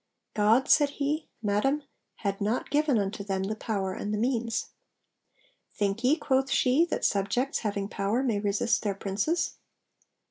'God,' said he, 'Madam, had not given unto them the power and the means.' 'Think ye,' quoth she, 'that subjects, having power, may resist their Princes?'